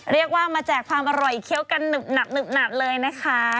เรียกว่ามาแจกความอร่อยเคี้ยวกันหนึบหนับเลยนะคะ